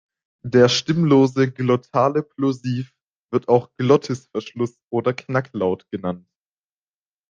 Der stimmlose glottale Plosiv wird auch Glottisverschluss oder Knacklaut genannt.